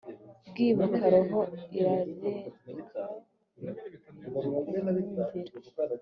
kwibuka roho irareka kumwumvira